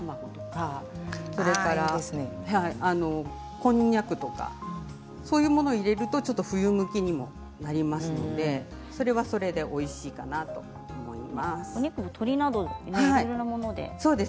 こんにゃくとかそういうものを入れると冬向きになりますのでそれはそれでおいしいかなと思います。